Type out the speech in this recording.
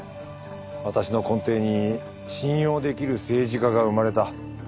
私の根底に信用できる政治家が生まれた。